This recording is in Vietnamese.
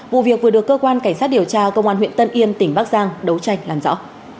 vụ việc vừa được cơ quan cảnh sát điều tra công an huyện tân yên tỉnh bắc giang đấu tranh làm rõ